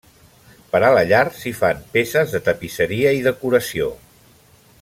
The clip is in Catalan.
Per a la llar, s'hi fan peces de tapisseria i decoració.